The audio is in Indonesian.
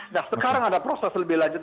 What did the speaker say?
nah sekarang ada proses lebih lanjut